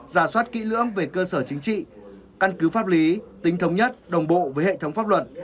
giả soát kỹ lưỡng về cơ sở chính trị căn cứ pháp lý tính thống nhất đồng bộ với hệ thống pháp luật